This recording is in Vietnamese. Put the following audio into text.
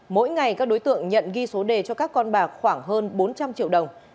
mỗi ngày các đối tượng nhận ghi số đề cho các con bạc khoảng hơn bốn trăm linh triệu đồng